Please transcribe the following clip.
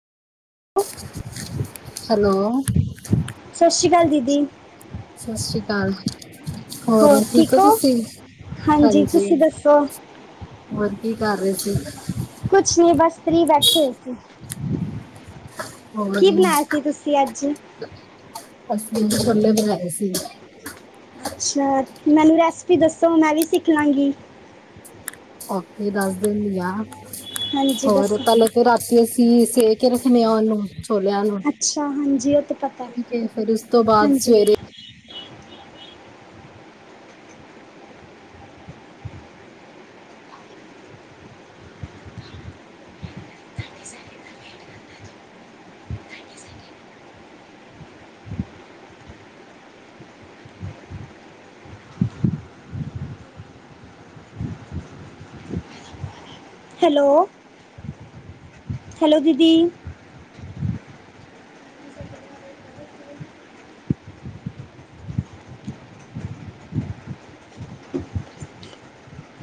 Hello. ਸਤਿ ਸ਼੍ਰੀ ਅਕਾਲ ਦੀਦੀ ਸਤਿ ਸ੍ਰੀ ਅਕਾਲ। ਹੋਰ, ਠੀਕ ਹੋ ਤੁਸੀਂ? ਹਾਂਜੀ। ਤੁਸੀਂ ਦੱਸੋ ਹੋਰ ਕੀ ਕਰ ਰਹੇ ਸੀ? ਕੁਛ ਨਹੀਂ, ਬਸ ਫਰੀ ਬੈਠੇ ਸੀ। ਹੋਰ, ਕੀ ਬਣਾਇਆ ਸੀ [unintelligible] ਤੁਸੀਂ ਅੱਜ ਅਸੀਦੇ ਥੁੱਲੇ ਬਜਏ ਸੀ ਅੱਛਾ। ਮੈਨੂੰ ਰੈਸਪੀ ਦੱਸੋ, ਮੈਂ ਵੀ ਸਿੱਖ ਲਾਂਗੀ। ਓਥੇ ਦੱਸ ਦਿੰਦੀ ਆ। ਹਾਂਜੀ ਹੋਰ ਦੱਸੋ ਪਹਿਲੇ ਫਿਰ ਰਾਤੀ ਅਸੀਂ ਸੇ ਕੇ ਰੱਖਨੇ ਹਾਂ ਉਹਨੂੰ, ਛੋਲਿਆਂ ਨੂੰ। ਅੱਛਾ ਹਾਂ ਠੀਕ ਏ, ਫਿਰ ਉਸ ਤੋਂ ਬਾਅਦ ਸਵੇਰੇ ਹੈਲੋ। ਹੈਲੋ ਦੀਦੀ